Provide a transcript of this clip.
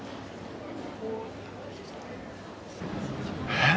えっ！？